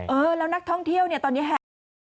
เออแล้วนักท่องเที่ยวเนี่ยตอนนี้แห่กัน